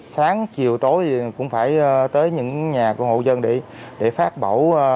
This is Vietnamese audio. sáng chiều tối cũng phải tới những nhà của hộ dân để phát bổ